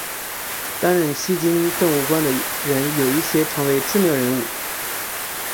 担任驻锡金政务官的人有一些成为知名人物。